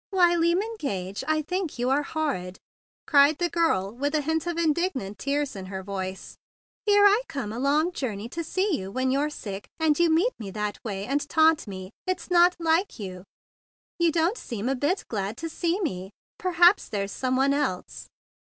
"Why, Lyme Gage! I think you are horrid!" cried the girl with a hint of in¬ dignant tears in her voice. "Here I come a long journey to see you when you're sick; and you meet me that way, and taunt me. It's not like you. You don't seem a bit glad to see me! Per¬ haps there's some one else."